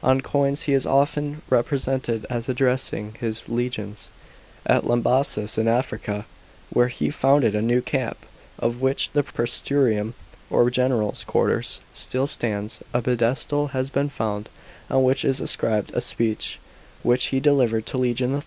On coins he is often represented as addressing his legions. At Lambassis in Africa, where he founded a new camp, of which the prseturium, or general's quarters, still stands, a pedestal has been found, on which is inscribed a speech which he delivered to legion III.